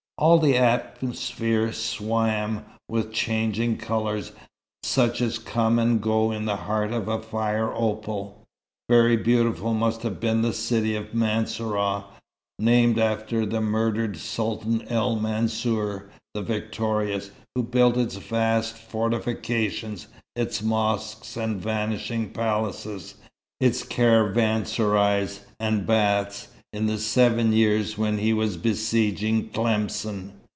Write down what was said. All the atmosphere swam with changing colours, such as come and go in the heart of a fire opal. Very beautiful must have been the city of Mansourah, named after murdered Sultan el Mansour, the Victorious, who built its vast fortifications, its mosques and vanished palaces, its caravanserais and baths, in the seven years when he was besieging Tlemcen.